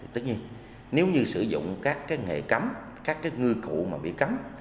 tất nhiên nếu như sử dụng các nghệ cấm các ngư cụ bị cấm